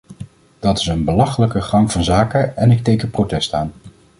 Dat is een belachelijke gang van zaken en ik teken protest aan.